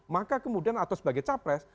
maka kemudian atau sebagai capres